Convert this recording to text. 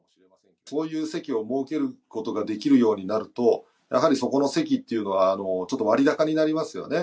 こういう席を設けることができるようになると、やはりそこの席というのは、ちょっと割高になりますよね。